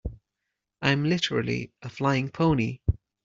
I'm literally a flying pony.